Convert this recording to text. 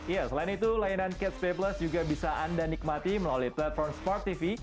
ya selain itu layanan catch play plus juga bisa anda nikmati melalui platform smart tv